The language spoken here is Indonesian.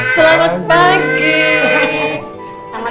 selamat pagi papa mama